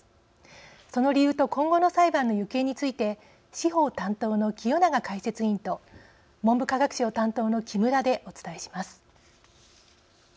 その理由と今後の裁判の行方について司法担当の清永解説委員と文部科学省担当の木村でお伝えします。